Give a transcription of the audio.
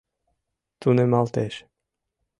Тунемалтеш...